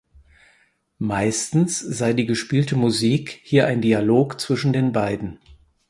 Meistens sei die gespielte Musik hier ein Dialog zwischen den beiden.